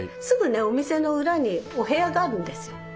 すぐねお店の裏にお部屋があるんですよ。